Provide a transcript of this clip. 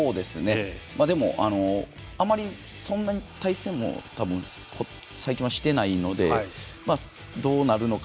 でも、あまり、そんなに対戦も最近はしていないのでどうなるのか。